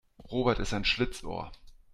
Robert ist ein Schlitzohr.